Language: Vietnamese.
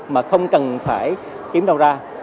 mà không cần phải kiếm đâu ra